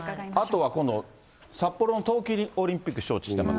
あとは今度、札幌の冬季オリンピック、招致。